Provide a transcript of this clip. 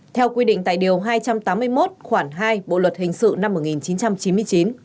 theo quy định tại điều hai trăm tám mươi một khoảng hai bộ luật hình sự năm một nghìn chín trăm chín mươi chín